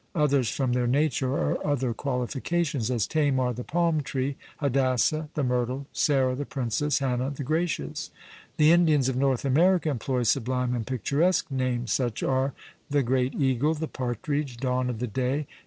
Others from their nature or other qualifications; as Tamar, the Palm tree; Hadassa, the Myrtle; Sarah, the Princess; Hannah, the Gracious. The Indians of North America employ sublime and picturesque names; such are the great Eagle the Partridge Dawn of the Day!